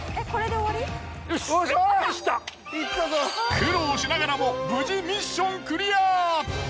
苦労しながらも無事ミッションクリア。